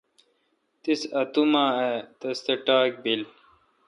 تے اتو ما اے° تس تہ ٹاک بیل۔